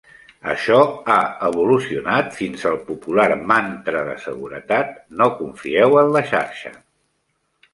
Això ha evolucionat fins al popular mantra de seguretat "No confieu en la xarxa".